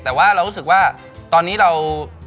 แต่ว่าเรารู้สึกว่าตอนนี้เรา